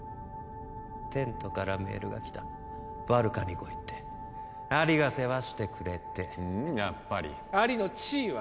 テントからメールが来たバルカに来いってアリが世話してくれてふんやっぱりアリの地位は？